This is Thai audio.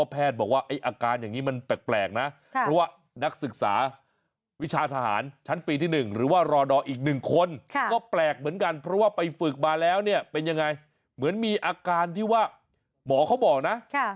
เพราะว่าแพทย์บอกว่าอาการอย่างนี้มันแปลกนะ